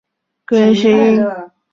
洋葱头是通过部落格进行发布更新。